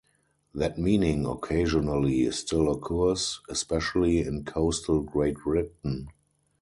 That meaning occasionally still occurs, especially in coastal Great Britain.